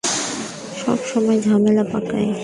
সবসময় ঝামেলা পাকায়।